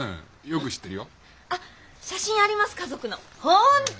本当？